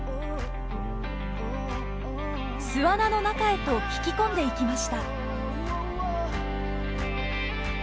巣穴の中へと引き込んでいきました。